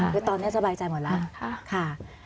คือตอนนี้สบายใจหมดแล้วค่ะ